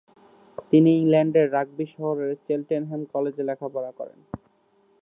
তিনি ইংল্যান্ডের রাগবি শহরের চেলটেনহ্যাম কলেজে লেখাপড়া করেন।